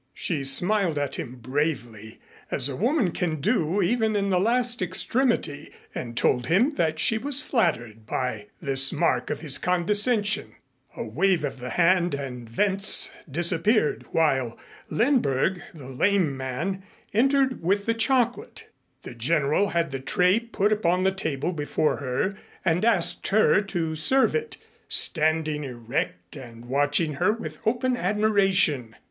She smiled at him bravely, as a woman can do, even in a last extremity, and told him that she was flattered by this mark of his condescension. A wave of the hand and Wentz disappeared, while Lindberg, the lame man, entered with the chocolate. The General had the tray put upon the table before her and asked her to serve it, standing erect and watching her with open admiration.